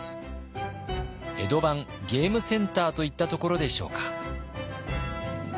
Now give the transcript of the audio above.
江戸版ゲームセンターといったところでしょうか。